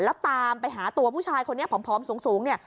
แล้วตามไปหาตัวผู้ชายคนนี้ผอมสูงเนี่ย